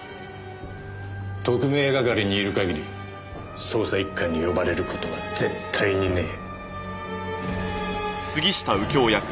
特命係にいる限り捜査一課に呼ばれる事は絶対にねえ。